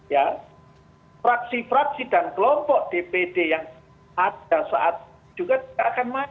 ya fraksi fraksi dan kelompok dpd yang ada saat juga tidak akan maju